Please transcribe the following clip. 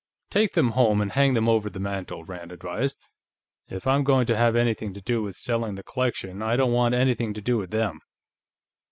"Take them home and hang them over the mantel," Rand advised. "If I'm going to have anything to do with selling the collection, I don't want anything to do with them."